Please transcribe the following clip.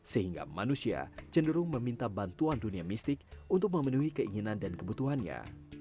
sehingga manusia cenderung meminta bantuan dunia mistik untuk memenuhi keinginan dan kebutuhannya